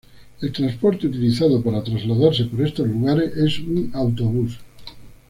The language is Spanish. El transporte utilizado para trasladarse por esos lugares es un autobús.